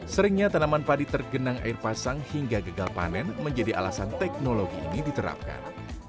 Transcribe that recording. seringnya tanaman padi tergenang air pasang hingga gagal panen menjadi alasan teknologi ini diterapkan